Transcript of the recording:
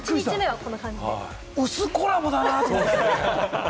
薄コラボだなぁと思って。